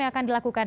yang akan dilakukan